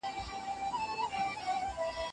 O ګروپ باید ورزش وکړي.